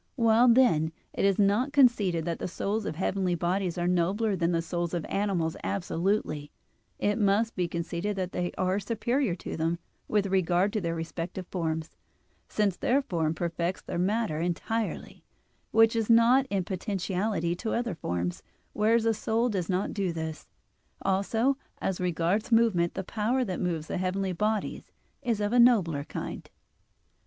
While, then, it is not conceded that the souls of heavenly bodies are nobler than the souls of animals absolutely it must be conceded that they are superior to them with regard to their respective forms, since their form perfects their matter entirely, which is not in potentiality to other forms; whereas a soul does not do this. Also as regards movement the power that moves the heavenly bodies is of a nobler kind.